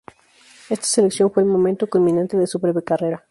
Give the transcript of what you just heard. Esta selección fue el momento culminante de su breve carrera.